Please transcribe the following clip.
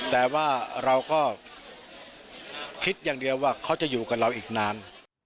แต่ว่าเราก็คิดอย่างเดียวว่าเขาจะอยู่กับเราอีกนาน